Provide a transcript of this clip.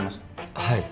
はい